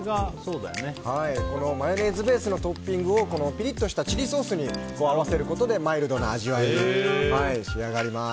マヨネーズベースのトッピングをチリソースに合わせることでマイルドな味わいに仕上がります。